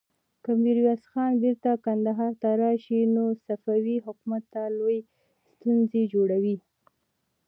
که ميرويس خان بېرته کندهار ته راشي، نو صفوي حکومت ته لويې ستونزې جوړوي.